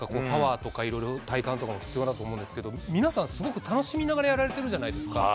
パワーとか体幹とかも必要だと思うんですけど皆さん、すごく楽しみながらやられてるじゃないですか。